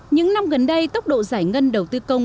những năm gần đây tốc độ giải ngân đầu tư công